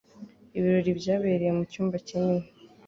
Ibirori byabereye mucyumba kinini.